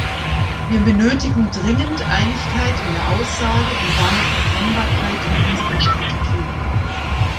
Wir benötigen dringend Einigkeit in der Aussage und damit Erkennbarkeit in unseren Strategien.